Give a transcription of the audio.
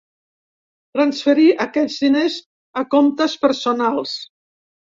Transferí aquests diners a comptes personals.